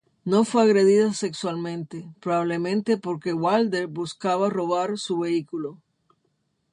No fue agredida sexualmente, probablemente porque Wilder buscaba robar su vehículo.